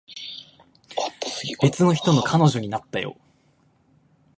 別の人の彼女になったよ